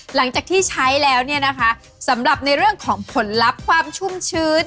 หลังจากที่ใช้แล้วเนี่ยนะคะสำหรับในเรื่องของผลลัพธ์ความชุ่มชื้น